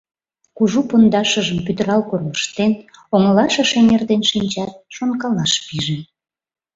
Кужу пондашыжым пӱтырал кормыжтен, оҥылашыш эҥертен шинчат, шонкалаш пиже.